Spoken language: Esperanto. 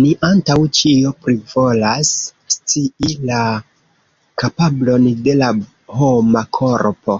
Ni antaŭ ĉio plivolas scii la kapablon de la homa korpo.